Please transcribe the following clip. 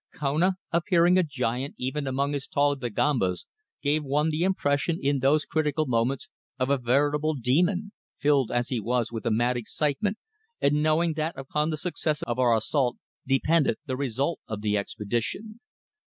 Kona, appearing a giant even among his tall Dagombas, gave one the impression in those critical moments of a veritable demon, filled as he was with a mad excitement and knowing that upon the success of our assault depended the result of the expedition.